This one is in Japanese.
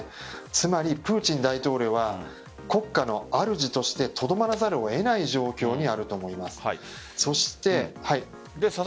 つまり、プーチン大統領は国家のあるじとしてとどまるざるを得ない状況にあると思います。